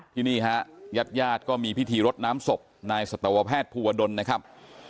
ที่นี่ฮะยัดก็มีพิธีรดน้ำศพนายสัตวแพทย์ภูวดลนะครับ